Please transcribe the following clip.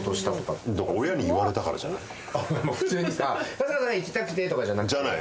春日さんが行きたくてとかじゃなく？じゃない。